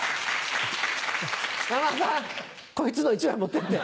山田さんこいつの１枚持ってって。